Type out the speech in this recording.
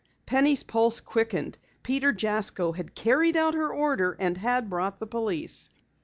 Penny's pulse quickened. Peter Jasko had carried out her order and had brought the police!